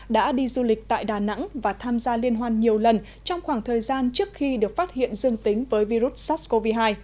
đã đi du lịch tại đà nẵng và tham gia liên hoan nhiều lần trong khoảng thời gian trước khi được phát hiện dương tính với virus sars cov hai